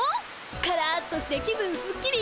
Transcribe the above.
カラッとして気分すっきり。